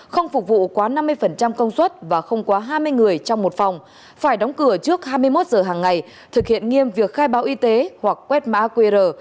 không phục vụ quá năm mươi công suất và không quá hai mươi người trong một phòng phải đóng cửa trước hai mươi một giờ hàng ngày thực hiện nghiêm việc khai báo y tế hoặc quét mã qr